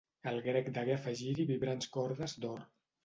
El grec degué afegir-hi vibrants cordes d'or.